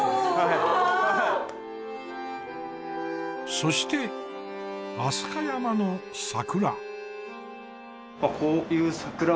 そして飛鳥山の桜。